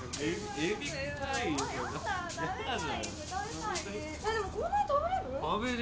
えっでもこんなに食べられる？